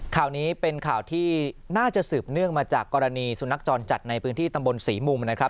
ข่าวนี้เป็นข่าวที่น่าจะสืบเนื่องมาจากกรณีสุนัขจรจัดในพื้นที่ตำบลศรีมุมนะครับ